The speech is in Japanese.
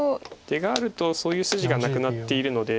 出があるとそういう筋がなくなっているので。